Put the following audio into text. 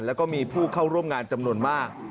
แล้วก็มีผู้เข้าร่วมงานจำนวนมาก